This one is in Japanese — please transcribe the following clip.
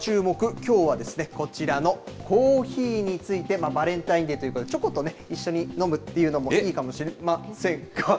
きょうは、こちらのコーヒーについて、バレンタインデーということで、チョコと一緒に飲むっていうのもいいかもしれませんが。